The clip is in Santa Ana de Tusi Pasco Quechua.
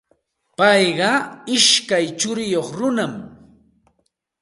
Payqa ishkay churiyuq runam.